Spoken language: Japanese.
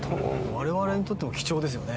我々にとっても貴重ですよね。